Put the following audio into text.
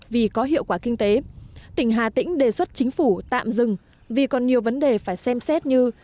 vì có hiệu quả kinh tế tỉnh hà tĩnh đề xuất chính phủ tạm dừng vì còn nhiều vấn đề phải xem xét như